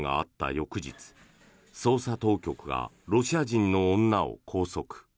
翌日捜査当局がロシア人の女を拘束。